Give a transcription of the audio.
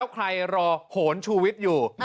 ใครรอโหนชูวิทย์อยู่